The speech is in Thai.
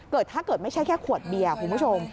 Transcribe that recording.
ถ้าเกิดไม่ใช่แค่ขวดเบียร์คุณผู้ชม